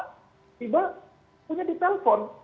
tiba punya di telpon